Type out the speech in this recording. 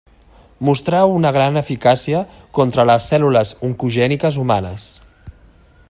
Mostrà una gran eficàcia contra les cèl·lules oncogèniques humanes.